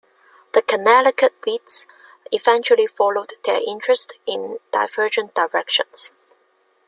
The Connecticut Wits eventually followed their interests in divergent directions.